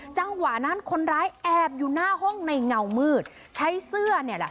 จังหวะนั้นคนร้ายแอบอยู่หน้าห้องในเงามืดใช้เสื้อเนี่ยแหละ